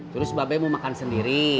terus babe mau makan sendiri